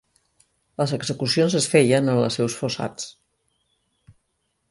Les execucions es feien en els seus fossats.